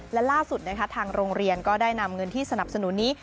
และล่าสุดนะคะทางโรงเรียนก็ได้นำเงินที่สนับสนุนนี้